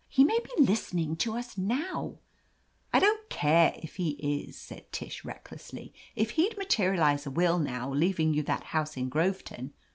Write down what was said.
"He may be listen ing to us now !*' I "I don't care if he is/' said Tish recklessly. "If he'd materialize a will, now, leaving you that house in Groveton